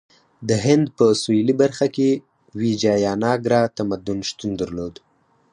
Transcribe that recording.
د هند په سویلي برخه کې ویجایاناګرا تمدن شتون درلود.